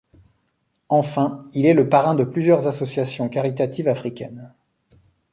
Enfin, il est le parrain de plusieurs associations caritatives africaines.